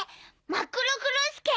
マックロクロスケ？